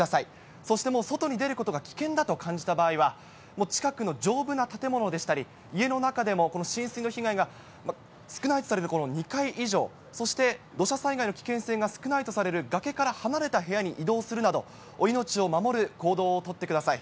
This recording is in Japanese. そしてもう外に出ることが危険だと感じた場合は、近くの丈夫な建物でしたり、家の中でもこの浸水の被害が少ないとされる、この２階以上、そして土砂災害の危険が少ないとされる崖から離れた部屋に移動するなど、命を守る行動を取ってください。